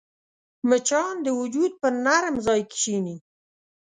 مچان د وجود پر نرم ځای کښېني